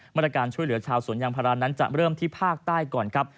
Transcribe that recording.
มาตรการช่วยเหลือชาวสวนยางพารานั้นจะเริ่มที่ภาคใต้ก่อนครับ